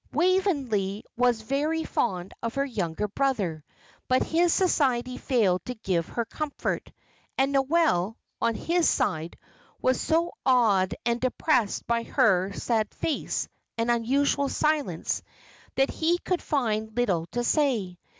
Waveney was very fond of her young brother, but his society failed to give her comfort; and Noel, on his side, was so awed and depressed by her sad face and unusual silence, that he could find little to say.